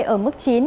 ở mức chín